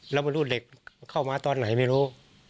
แล้วไม่รู้เหล็กเข้ามาตอนไหนไม่รู้